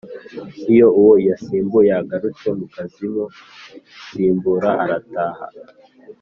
iyo uwo yasimbuye agarutse mu kaziumusimbura arataha